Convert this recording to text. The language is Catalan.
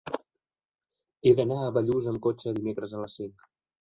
He d'anar a Bellús amb cotxe dimecres a les cinc.